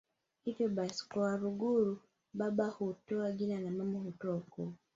Hivyo basi kwa Waluguru baba hutoa jina na mama hutoa ukoo